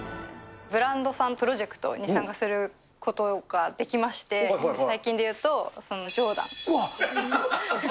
ブランドさんプロジェクトに参加することができまして、うわっ。